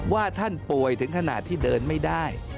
ว่าท่านป่วยถึงขนาดที่เดินไม่ได้